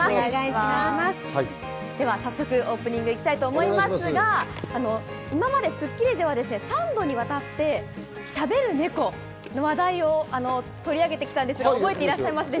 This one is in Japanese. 早速オープニングに行きたいと思いますが、今まで『スッキリ』では三度にわたってしゃべるネコの話題を取り上げてきたんですが覚えていらっしゃいますか？